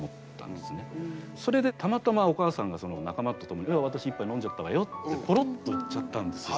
それでたまたまお母さんが仲間と共に私一杯飲んじゃったわよってぽろっと言っちゃったんですよ。